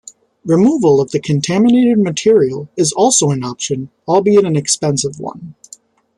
Removal of the contaminated material is also an option, albeit an expensive one.